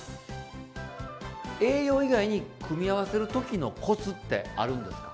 栄養以外に組み合わせる時のコツってあるんですか？